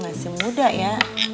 masih muda ya